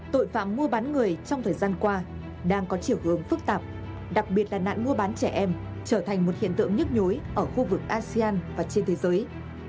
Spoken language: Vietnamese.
tội phạm mua bán người trong thời gian qua đang có chiều hướng phức tạp đặc biệt là nạn mua bán trẻ em trở thành một hiện tượng nhức nhối ở khu vực asean và trên thế giới